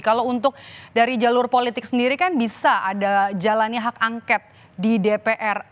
kalau untuk dari jalur politik sendiri kan bisa ada jalannya hak angket di dpr